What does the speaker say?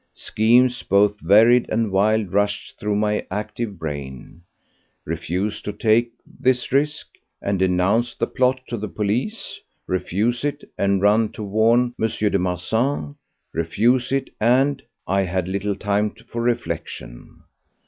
Schemes, both varied and wild, rushed through my active brain: refuse to take this risk, and denounce the plot to the police; refuse it, and run to warn M. de Marsan; refuse it, and— I had little time for reflection.